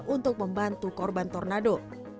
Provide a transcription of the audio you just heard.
untuk membantu korban tornado